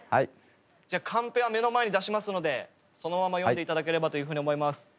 じゃあカンペは目の前に出しますのでそのまま読んで頂ければというふうに思います。